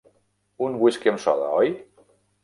Un whisky amb soda, oi?